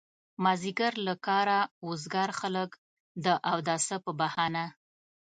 مازيګر له کاره وزګار خلک د اوداسه په بهانه.